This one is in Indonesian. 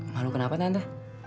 malu kenapa tante